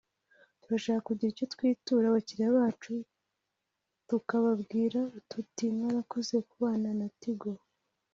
turashaka kugira icyo twitura abakiriya bacu tukababwira tuti ’mwarakoze kubana na Tigo’